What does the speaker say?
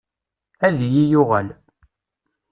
Ad iyi-yuɣal.